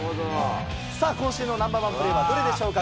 今週のナンバーワンプレーはどれでしょうか。